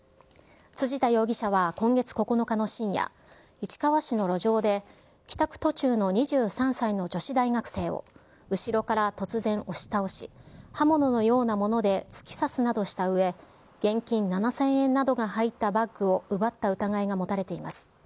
辻田容疑者は今月９日の深夜、市川市の路上で帰宅途中の２３歳の女子大学生を、後ろから突然押し倒し、刃物のようなもので突き刺すなどしたうえ、現金７０００円などが入ったバッグを奪った疑いが持たれています。